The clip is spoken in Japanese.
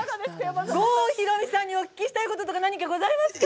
郷ひろみさんにお聞きしたいことございますか！